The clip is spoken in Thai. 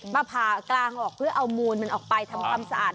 ผ่ากลางออกเพื่อเอามูลมันออกไปทำความสะอาด